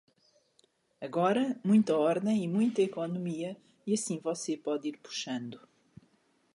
Agora muita ordem e muita economia, e assim você pode ir puxando.